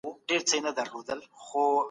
ځواني د قوت او ځواک سمبول دی.